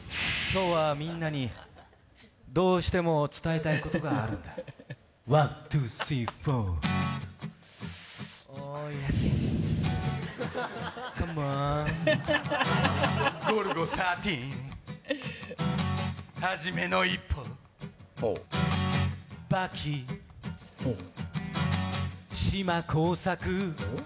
今日はみんなにどうしても伝えたいことがあるんだワントゥースリーフォーオイエスカモン